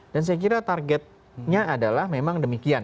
dan saya kira targetnya adalah memang demikian